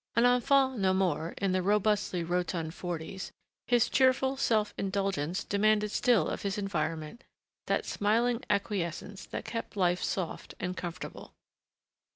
An enfant no more, in the robustly rotund forties, his cheerful self indulgence demanded still of his environment that smiling acquiescence that kept life soft and comfortable.